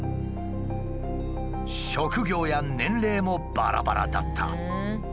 職業や年齢もバラバラだった。